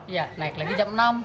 iya naik lagi jam enam